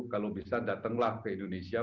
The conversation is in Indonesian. kalau bisa datanglah ke indonesia